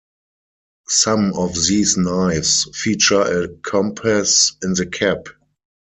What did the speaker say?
Some of these knives feature a compass in the cap.